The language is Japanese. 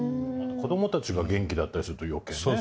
子供たちが元気だったりすると余計ね。